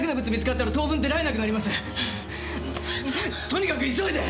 とにかく急いで！